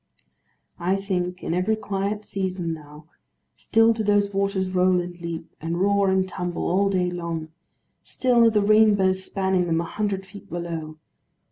I think in every quiet season now, still do those waters roll and leap, and roar and tumble, all day long; still are the rainbows spanning them, a hundred feet below.